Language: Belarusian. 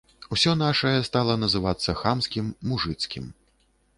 Усё нашае стала называцца хамскім, мужыцкім.